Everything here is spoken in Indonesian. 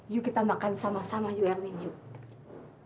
yuk kita makan sama sama yuk erwin yuk